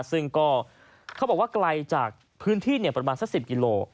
ซึ่งก็เขาบอกว่าไกลจากพื้นที่ประมาณสัก๑๐กิโล